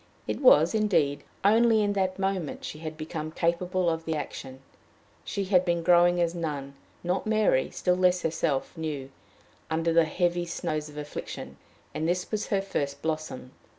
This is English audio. It was, indeed, only in that moment she had become capable of the action. She had been growing as none, not Mary, still less herself, knew, under the heavy snows of affliction, and this was her first blossom.